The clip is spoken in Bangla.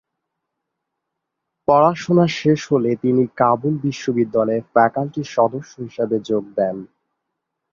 পড়াশোনা শেষ হলে তিনি কাবুল বিশ্ববিদ্যালয়ে ফ্যাকাল্টি সদস্য হিসেবে যোগ দেন।